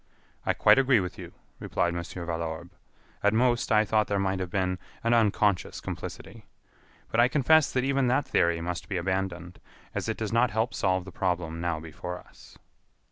"I quite agree with you," replied Mon. Valorbe. "At most, I thought there might have been an unconscious complicity. But I confess that even that theory must be abandoned, as it does not help solve the problem now before us."